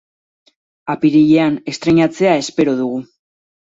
Apirilean estreinatzea espero dugu.